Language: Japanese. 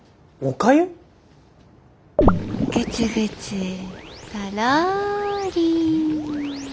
ぐつぐつとろり。